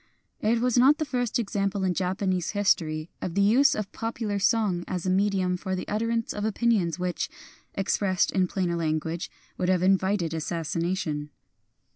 It was not the first example in Japanese his tory of the use of popular song as a medium for the utterance of opinions which, expressed in plainer language, would have invited assas sination.